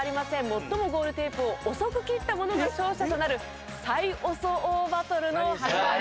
最もゴールテープを遅く切った者が勝者となる最遅王バトルの始まり。